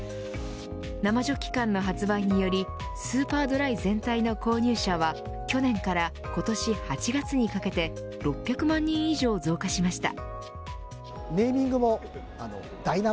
生ジョッキ缶の発売によりスーパードライ全体の購入者は去年から今年８月にかけて６００万人以上増加しました。